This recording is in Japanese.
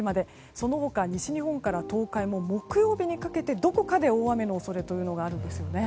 その他、西日本から東海も木曜日にかけてどこかで大雨の恐れというのがあるんですよね。